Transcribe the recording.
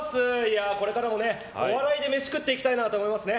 これからはお笑いで飯食っていきたいなと思いますね。